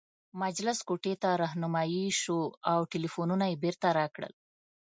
مجلس کوټې ته رهنمايي شوو او ټلفونونه یې بیرته راکړل.